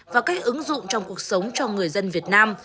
và các ứng dụng trong cuộc sống cho người dân việt nam